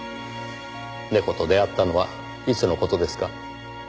猫と出会ったのはいつの事ですか？